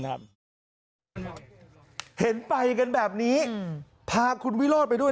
เห็นไปกันแบบนี้พาคุณวิโรธไปด้วย